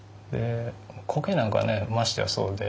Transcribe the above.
コケなんかはねましてやそうで。